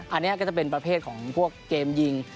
อันนี้ก็จะเป็นประเภทของพวกเกมยิง